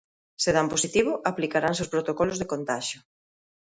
Se dan positivo, aplicaranse os protocolos de contaxio.